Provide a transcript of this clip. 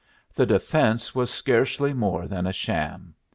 The defence was scarcely more than a sham.